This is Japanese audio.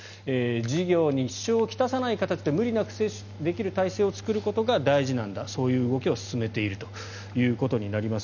事業に支障を来さない形で無理なく接種できる体制を作ることが大事なんだそういう動きを進めているということになります。